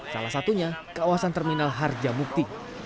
salah satunya kawasan terminal harja mukti